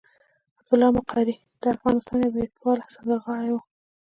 عبدالله مقری د افغانستان یو هېواد پاله سندرغاړی وو.